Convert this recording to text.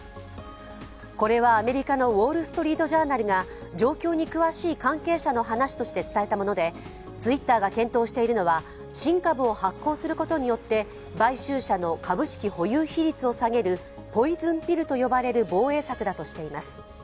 これはアメリカの「ウォールストリート・ジャーナル」が状況に詳しい関係者の話として伝えたものでＴｗｉｔｔｅｒが検討しているのは新株を発行することによって買収者の株式保有比率を下げるポイズンピルと呼ばれる防衛策だとしています。